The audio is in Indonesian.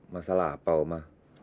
masalah apa oma